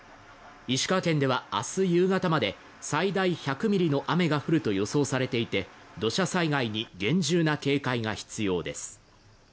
石川県では明日夕方まで最大１００ミリの雨が降ると予想されていて土砂災害に厳重な警戒が必要です。